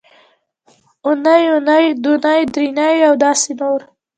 اونۍ یونۍ دونۍ درېنۍ او داسې نور